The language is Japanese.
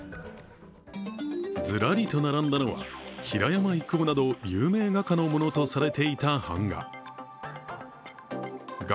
ずらりと並んだのは平山郁夫など有名画家のものとされていた版画。